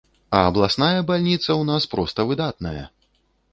А абласная бальніца ў нас проста выдатная.